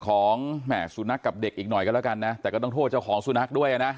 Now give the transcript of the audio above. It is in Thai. แหม่สุนัขกับเด็กอีกหน่อยก็แล้วกันนะแต่ก็ต้องโทษเจ้าของสุนัขด้วยนะ